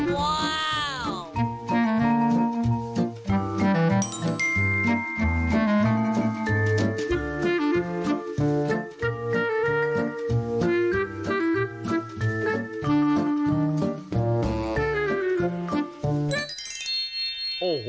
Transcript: ว้าว